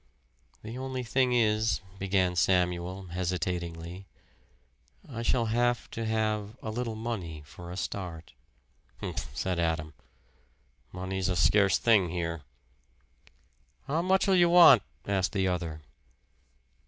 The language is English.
"The only thing is," began Samuel, hesitatingly, "I shall have to have a little money for a start." "Humph!" said Adam. "Money's a scarce thing here." "How much'll ye want?" asked the other.